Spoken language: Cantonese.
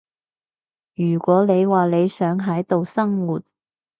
如果你話你想喺度生活